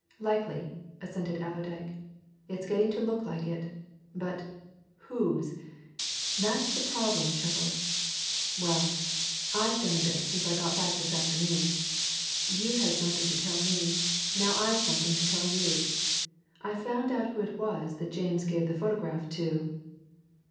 "Likely!" assented Allerdyke. "It's getting to look like it. But whose? That's the problem, Chettle. Well, I've done a bit since I got back this afternoon. You've had something to tell me now I've something to tell you. I've found out who it was that James gave the photograph to!"